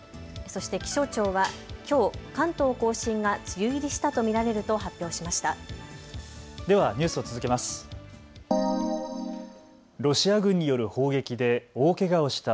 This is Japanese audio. そして気象庁はきょう、関東甲信が梅雨入りしたと見られると発表しました。